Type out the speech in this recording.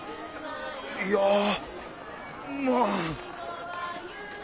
いやまあ。